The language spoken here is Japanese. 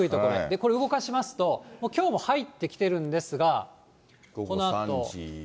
これ、動かしますと、きょうも入ってきてるんですが、このあと。